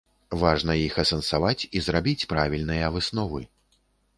Важна іх асэнсаваць і зрабіць правільныя высновы.